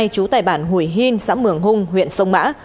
trú tại bản hủy hìn xã mường hung huyện sông mã